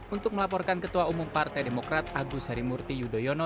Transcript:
untuk melaporkan ketua umum partai demokrat agus harimurti yudhoyono